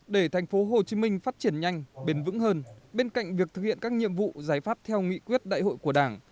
để thành phố hồ chí minh phát triển nhanh bền vững hơn bên cạnh việc thực hiện các nhiệm vụ giải pháp theo nghị quyết đại hội của đảng